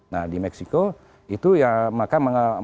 nah di meksiko itu ya maka masuk kepada apa yang dikatakan